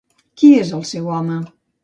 Qui és el seu home?